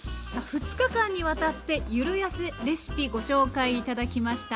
さあ２日間にわたってゆるやせレシピご紹介頂きました。